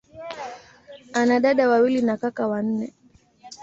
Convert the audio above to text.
Ana dada wawili na kaka wanne.